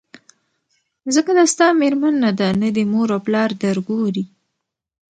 ځکه دا ستا مېرمن نه ده نه دي مور او پلار درګوري